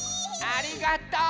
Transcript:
ありがとう！